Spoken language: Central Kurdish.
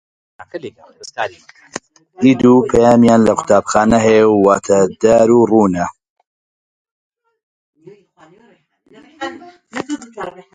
ڕابەر بەهۆی بێئەدەبی بەرامبەر بە کڕیارێک لە کارەکەی دوورخرایەوە.